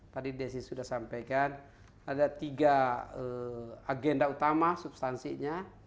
tadi desi sudah sampaikan ada tiga agenda utama substansinya